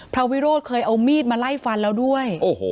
วิโรธเคยเอามีดมาไล่ฟันแล้วด้วย